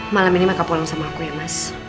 malam ini maka pulang sama aku ya mas